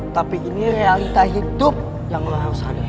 tapi ini realita hidup yang lu harus hadapi